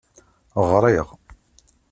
Ɣṛiɣ.